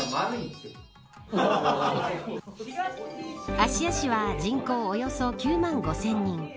芦屋市は人口およそ９万５０００人。